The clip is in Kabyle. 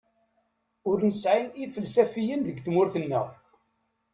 Ur nesɛi ifelsafiyen deg tmurt-nneɣ.